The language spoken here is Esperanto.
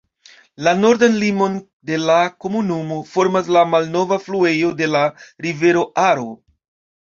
La nordan limon de la komunumo formas la malnova fluejo de la rivero Aro.